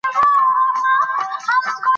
خو زه نه قانع کېدم. ترڅو یې له آس نه ښکته کړم،